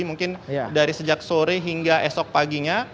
mungkin dari sejak sore hingga esok paginya